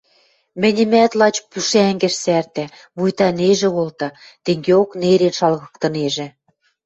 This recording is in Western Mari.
Мӹньӹмӓт лач пушӓнгӹш сӓртӓ, вуйта ӹнежӹ колты, тенгеок нерен шалгыктынежӹ.